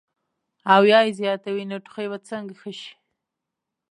او يا ئې زياتوي نو ټوخی به څنګ ښۀ شي -